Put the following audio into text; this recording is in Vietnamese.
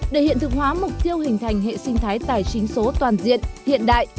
để hiện thực hóa mục tiêu hình thành hệ sinh thái tài chính số toàn diện hiện đại